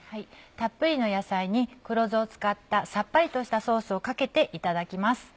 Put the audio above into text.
たっぷりの野菜に黒酢を使ったさっぱりとしたソースをかけていただきます。